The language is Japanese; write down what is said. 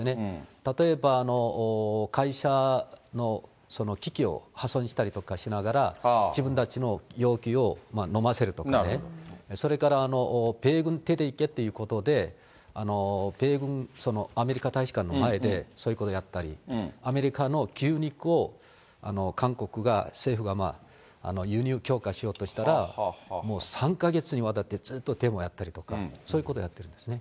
例えば、会社の機器を破損したりとかしながら、自分たちの要求をのませるとかね、それから米軍出ていけっていうことで、米軍、アメリカ大使館の前で、そういうことをやったり、アメリカの牛肉を韓国が、政府が輸入強化しようとしたら、もう３か月にわたってずっとデモをやったりとか、そういうことやってるんですね。